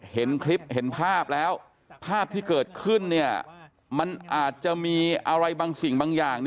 เห็นคลิปเห็นภาพแล้วภาพที่เกิดขึ้นมันอาจจะมีอะไรบางสิ่งบางอย่าง